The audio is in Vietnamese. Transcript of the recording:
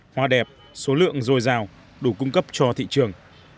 hoa đẹp số lượng dồi dào đủ cung cấp cho thị trường